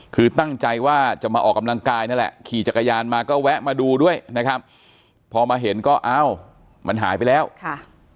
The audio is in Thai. ขี่จักรยานมาก็แวะมาดูด้วยนะครับพอมาเห็นก็เอ้ามันหายไปแล้วค่ะ